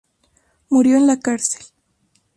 Murió en la cárcel.